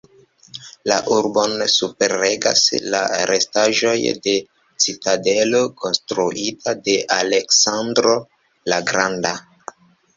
La urbon superregas la restaĵoj de citadelo konstruita de Aleksandro la Granda.